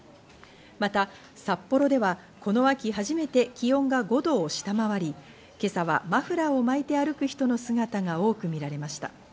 また、札幌ではこの秋初めて気温が５度を下回り、今朝はマフラーを巻いて歩く人の姿が多く見られました。